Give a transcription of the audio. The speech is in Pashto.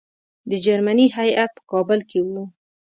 د جرمني هیات په کابل کې وو.